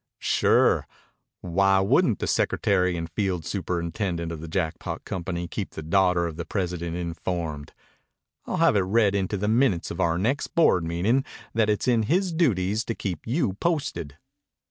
"Sure. Why wouldn't the secretary and field superintendent of the Jackpot Company keep the daughter of the president informed? I'll have it read into the minutes of our next board meetin' that it's in his duties to keep you posted."